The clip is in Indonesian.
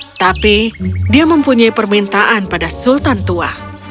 tetapi dia mempunyai permintaan pada sultan tua